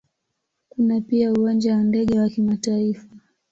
Kuna pia Uwanja wa ndege wa kimataifa.